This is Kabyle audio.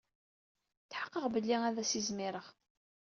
Tḥeqqqeɣ belli ad as-izmireɣ.